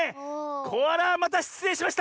コアラまたしつれいしました！